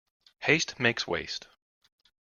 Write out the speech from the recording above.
Haste makes waste.